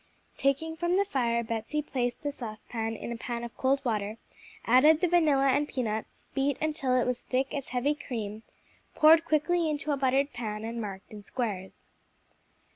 Taking from the fire, Betsey placed the saucepan in a pan of cold water, added the vanilla and peanuts, beat until it was as thick as heavy cream, poured quickly into a buttered pan and marked in squares.